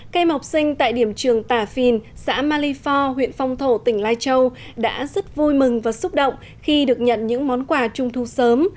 các em học sinh tại điểm trường tà phìn xã malifor huyện phong thổ tỉnh lai châu đã rất vui mừng và xúc động khi được nhận những món quà trung thu sớm